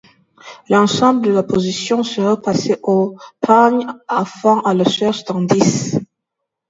L’ensemble de la position sera passée au peigne fin Ã la recherche d’indices